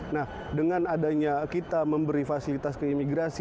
nah dengan adanya kita memberi fasilitas keimigrasi